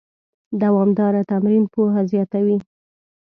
دوامداره تمرین پوهه زیاتوي.